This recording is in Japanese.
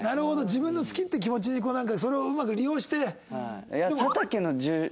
自分を好きって気持ちになんかそれをうまく利用して。